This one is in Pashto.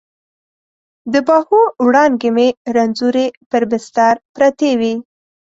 د باهو وړانګې مې رنځورې پر بستر پرتې وي